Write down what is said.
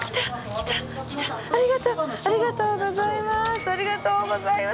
ありがとうございます。